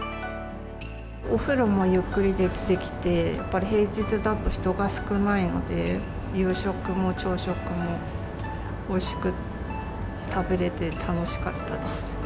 お風呂もゆっくりできてきて、やっぱり平日だと人が少ないので、夕食も朝食もおいしく食べれて楽しかったです。